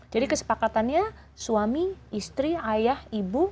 jadi kesepakatannya suami istri ayah ibu